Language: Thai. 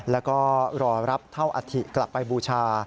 แล้วก็รอรับเท่าอัฐิกลับไปบูชา